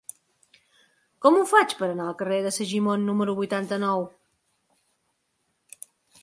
Com ho faig per anar al carrer de Segimon número vuitanta-nou?